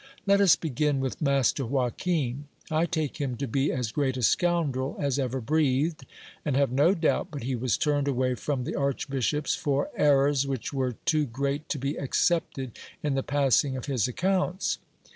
Let us begin vith master Joachim : I take him to be as great a scoundrel as ever breathed, and have no doubt but he was turned away from the archbishop's for errors vhich were too great to be excepted in the passing of his accounts.